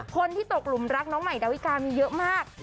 คนที่ตกหลุมรักน้องใหม่ดาวิกามีเยอะมาก